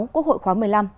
quốc hội khóa một mươi năm